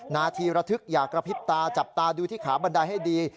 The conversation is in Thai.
นาทีระทึกอย่ากระพริบตาจับตาดูที่ขาบันไดให้ดี